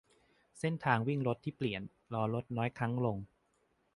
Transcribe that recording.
- เส้นทางวิ่งที่เปลี่ยนรถ-รอรถน้อยครั้งลง